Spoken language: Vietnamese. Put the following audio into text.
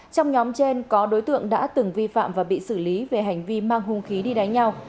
trong nhóm trên có đối tượng đã từng vi phạm và bị xử lý về hành vi mang hung khí đi đánh nhau